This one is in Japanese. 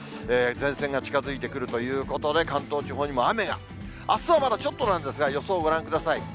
前線が近づいてくるということで、関東地方にも雨が、あすはまだ、ちょっとなんですが、予想をご覧ください。